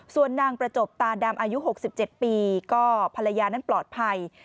ส่วนนางประจบตาดำอายุ๖๗ปีก็ภรรยานั้นปลอดภัย